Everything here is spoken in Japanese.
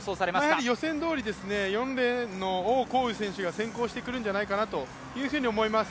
やはり予選どおり４レーンの王浩宇選手が先行してくるんじゃないかなというふうに思います。